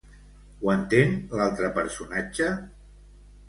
Ho entén l'altre personatge?